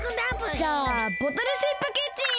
じゃあボトルシップキッチンへ！